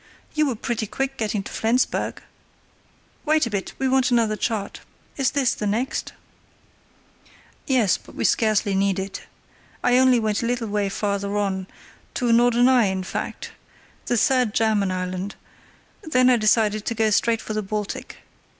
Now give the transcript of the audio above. You were pretty quick getting to Flensburg. Wait a bit, we want another chart. Is this the next?" "Yes; but we scarcely need it. I only went a little way farther on—to Norderney, in fact, the third German island—then I decided to go straight for the Baltic.